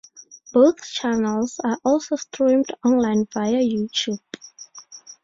Both channels are also streamed online via YouTube.